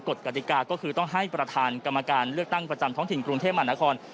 กติกาก็คือต้องให้ประธานกรรมการเลือกตั้งประจำท้องถิ่นกรุงเทพมหานคร